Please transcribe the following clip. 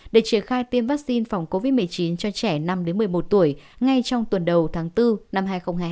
để triển khai tiêm vaccine phòng covid một mươi chín cho trẻ năm một mươi một tuổi ngay trong tuần đầu tháng bốn năm hai nghìn hai mươi